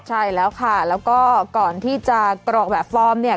ใช่แล้วค่ะแล้วก็ก่อนที่จะกรอกแบบฟอร์มเนี่ย